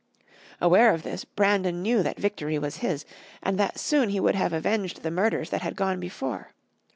Aware of this, Brandon knew that victory was his, and that soon he would have avenged the murders that had gone before.